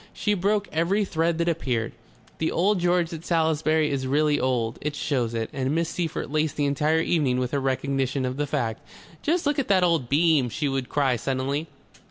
She broke every thread that appeared. The Old George at Salisbury is really old; it shows it, and Miss Seyffert laced the entire evening with her recognition of the fact. "Just look at that old beam!" she would cry suddenly.